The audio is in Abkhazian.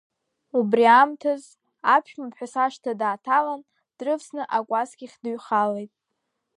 Убри аамҭазы, аԥшәмаԥҳәыс ашҭа дааҭалан, дрывсны акәасқьахь дыҩхалеит…